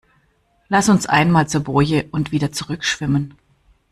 Lass uns einmal zur Boje und wieder zurück schwimmen.